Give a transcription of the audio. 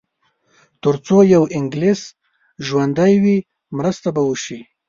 تر څو یو انګلیس ژوندی وي مرسته به وشي.